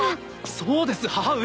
そうです母上！